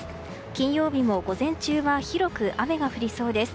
金曜日も午前中は広く雨が降りそうです。